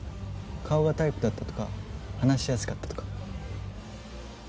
顔がタイプだったとか話しやすかったとか。